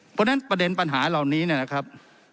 เพราะฉะนั้นประเด็นปัญหาเหล่านี้เนี่ยนะครับ